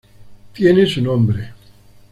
Tienen su nombre.